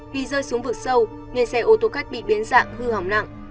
vì rơi xuống vực sâu nên xe ô tô khách bị biến dạng hư hỏng nặng